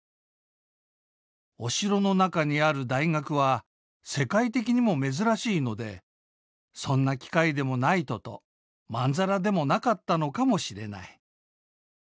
お城の中にある大学は世界的にも珍しいのでそんな機会でもないととまんざらでもなかったのかもしれない」。